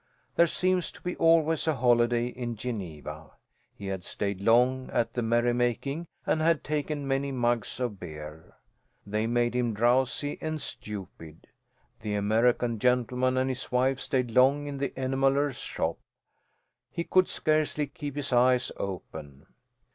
There seems to be always a holiday in Geneva. He had stayed long at the merrymaking and had taken many mugs of beer. They made him drowsy and stupid. The American gentleman and his wife stayed long in the enameller's shop. He could scarcely keep his eyes open.